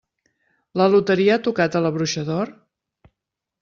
La loteria ha tocat a La bruixa d'or?